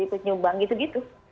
ikut nyumbang gitu gitu